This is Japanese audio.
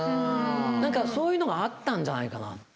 なんかそういうのがあったんじゃないかな。